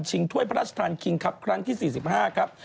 ถ้วยพระราชทานคิงครับครั้งที่๔๕ครับ